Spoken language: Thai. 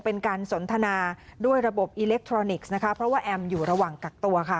เป็นการสนทนาด้วยระบบอิเล็กทรอนิกส์นะคะเพราะว่าแอมอยู่ระหว่างกักตัวค่ะ